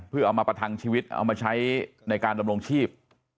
เพื่อเอามาประทังชีวิตเอามาใช้ในการดำรงชีพ